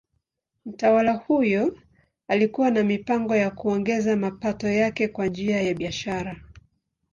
Mtawala huyo alikuwa na mipango ya kuongeza mapato yake kwa njia ya biashara.